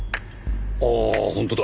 ああ本当だ。